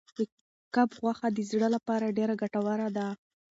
کب غوښه د زړه لپاره ډېره ګټوره ده.